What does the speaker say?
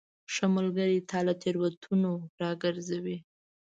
ښه ملګری تا له تیروتنو راګرځوي.